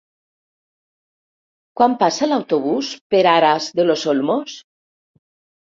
Quan passa l'autobús per Aras de los Olmos?